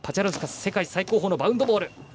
世界最高峰のバウンドボール。